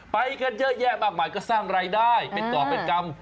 ไปกันเยอะแยะมากมายก็สร้างรายได้เป็นก่อเป็นกรรม